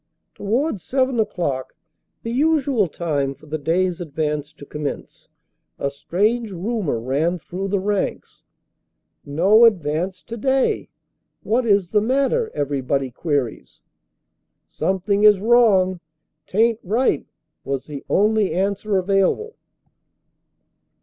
To wards seven o clock, the usual time for the day s advance to commence, a strange rumor ran through the ranks : No ad vance today. What is the matter? everybody queries Something is wrong t aint right, was the only answer available.